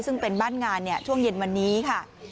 ซึ่งเป็นบ้านงานช่วงเย็นวันนี้ค่ะ